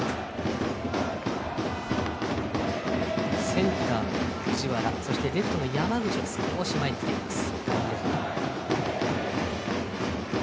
センター・藤原レフトの山口が前に来ています。